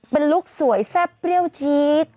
เป็นลุคสวยแซ่บเปรี้ยวจี๊ด